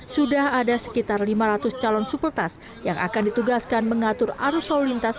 sudah ada sekitar lima ratus calon supeltas yang akan ditugaskan mengatur arus lalu lintas